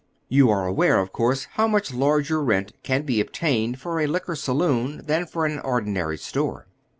You are aware, of course, how ranch larger rent can be obtained for a liquor saloon than for an ordi nary store.